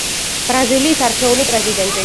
ბრაზილიის არჩეული პრეზიდენტი.